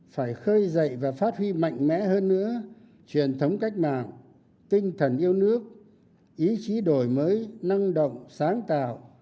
phải khơi dậy và phát huy mạnh mẽ hơn nữa truyền thống cách mạng tinh thần yêu nước ý chí đổi mới năng động sáng tạo